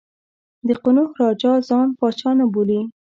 د قنوج راجا ځان پاچا نه بولي.